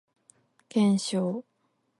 検証